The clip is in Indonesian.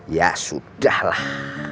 ya sudah lah